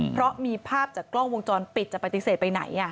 เพราะมีภาพจากกล้องวงจรปิดจะปฏิเสธไปไหน